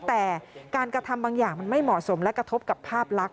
แต่การกระทำบางอย่างมันไม่เหมาะสมและกระทบกับภาพลักษ